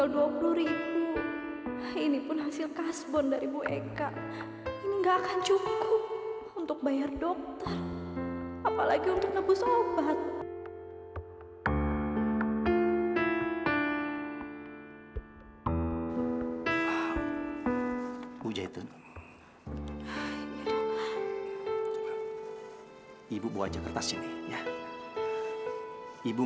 sudah mau menangku saya di panti ini